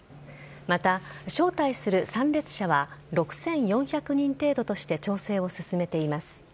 また、招待する参列者は６４００人程度として調整を進めています。